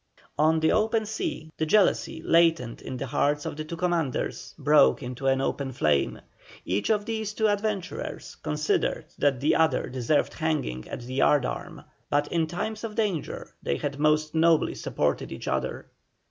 On the open sea the jealousy latent in the hearts of the two commanders broke into an open flame. Each of these two adventurers considered that the other deserved hanging at the yardarm; but in times of danger they had most nobly supported each other.